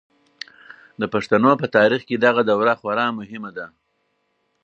د پښتنو په تاریخ کې دغه دوره خورا مهمه ده.